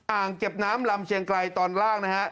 อ่างเก็บน้ำลำเชียงไกลตอนล่างนะฮะ